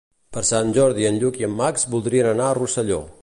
Per Sant Jordi en Lluc i en Max voldrien anar a Rosselló.